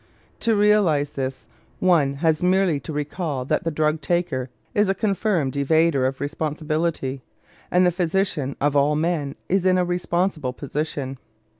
To realize this, one has merely to recall that the drug taker is a confirmed evader of responsibility; and the physician, of all men, is in a responsible position.